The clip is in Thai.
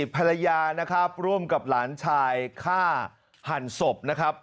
ภรรยานะครับร่วมกับหลานชายฆ่าหันศพนะครับ